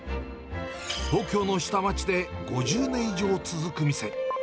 東京の下町で５０年以上続く店。